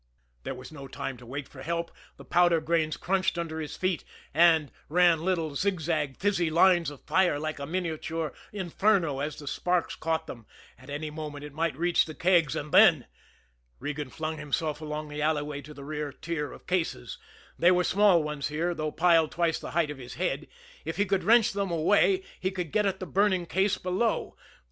There was no time to wait for help, the powder grains crunched under his feet, and ran little zigzag, fizzy lines of fire like a miniature inferno as the sparks caught them; at any moment it might reach the kegs, and then Regan flung himself along the alleyway to the rear tier of cases, they were small ones here, though piled twice the height of his head if he could wrench them away, he could get at the burning case below!